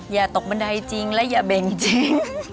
อย่าตกบันไดจริงและอย่าเบ่งจริง